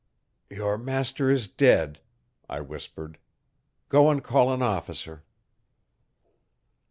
'Your master is dead,' I whispered, 'go and call an officer.